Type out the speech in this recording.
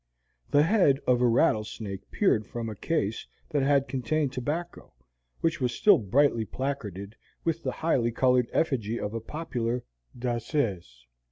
The head of a rattlesnake peered from a case that had contained tobacco, which was still brightly placarded with the high colored effigy of a popular danseuse.